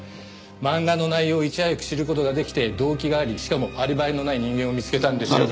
漫画の内容をいち早く知る事が出来て動機がありしかもアリバイのない人間を見つけたんですよ。